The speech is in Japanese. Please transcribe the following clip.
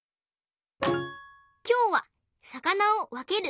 きょうはさかなをわける！